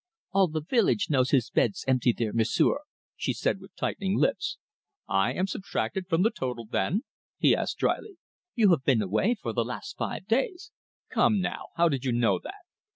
"All the village knows his bed's empty there, M'sieu'," she said, with tightening lips. "I am subtracted from the total, then?" he asked drily. "You have been away for the last five days " "Come, now, how did you know that?"